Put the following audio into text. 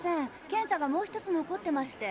検査がもう一つ残ってまして。